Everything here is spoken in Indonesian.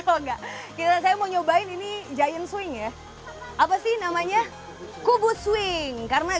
kalau enggak kita saya mau nyobain ini giant swing ya apa sih namanya kubu swing karena